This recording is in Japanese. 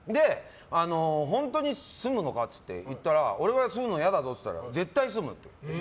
本当に住むのかって言ったら俺は住むの嫌だぞって言ったら絶対住むって。